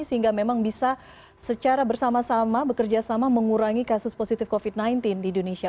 sehingga memang bisa secara bersama sama bekerja sama mengurangi kasus positif covid sembilan belas di indonesia